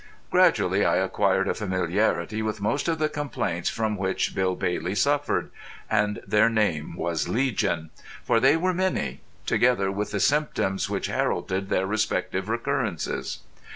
Gradually I acquired a familiarity with most of the complaints from which Bill Bailey suffered—and their name was legion, for they were many—together with the symptoms which heralded their respective recurrences.